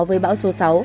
với bão số sáu